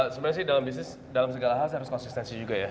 sebenarnya sih dalam bisnis dalam segala hal saya harus konsistensi juga ya